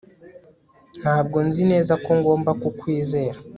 Ntabwo nzi neza ko ngomba kukwizera